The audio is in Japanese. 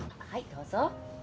はいどうぞ。